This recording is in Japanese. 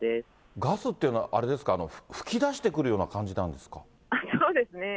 ガスっていうのは、あれですか、噴き出してくるような感じなそうですね。